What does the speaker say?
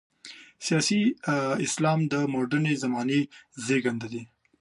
سیاسي اسلام د مډرنې زمانې زېږنده ده.